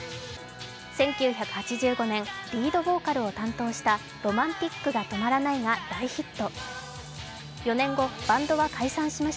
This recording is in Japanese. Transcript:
１９８５年リードボーカルを担当した「Ｒｏｍａｎｔｉｃが止まらない」が大ヒット。